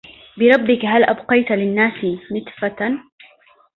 بربك هل أبقيت للناس نتفة